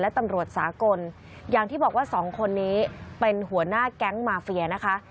และตำรวจสากลอย่างที่บอกว่าสองคนนี้เป็นหัวหน้าแก๊งมาเฟียนะคะ